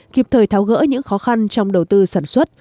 kịp thời tháo gỡ những khó khăn trong đầu tư sản xuất